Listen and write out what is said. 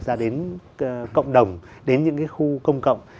ra đến cộng đồng đến những khu công cộng